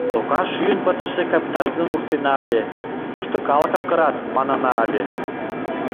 Тока шӱйын пытыше капитализмым вурсена ыле, тушто калыкым кырат, манына ыле.